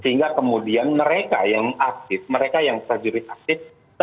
sehingga kemudian mereka yang aktif mereka yang prajurit aktif